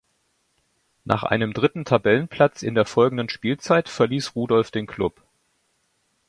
Nach einem dritten Tabellenplatz in der folgenden Spielzeit verließ Rudolf den Klub.